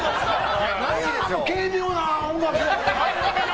何やねん、あの軽妙な音楽。